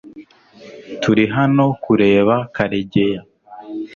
Turi hano kureba Karegeya .